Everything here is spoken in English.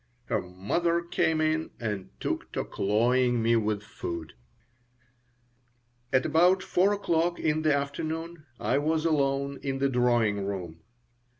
Her mother came in and took to cloying me with food At about 4 o'clock in the afternoon I was alone in the drawing room.